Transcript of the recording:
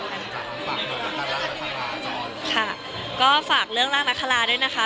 อเจมส์ค่ะฝากเรื่องร่างนักคาราด้วยนะคะ